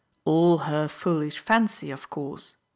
" "All her foolish fancy, of course!"